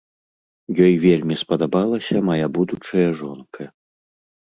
Ёй вельмі спадабалася мая будучая жонка.